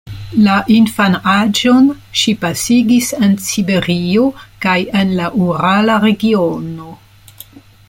La infanaĝon ŝi pasigis en Siberio kaj en la urala regiono.